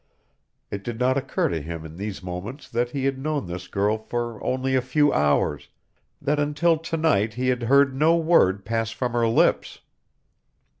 It did not occur to him in these moments that he had known this girl for only a few hours, that until to night he had heard no word pass from her lips.